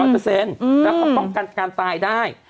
แล้วก็ป้องกันการตายได้